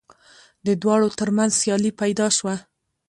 د دواړو تر منځ سیالي پیدا شوه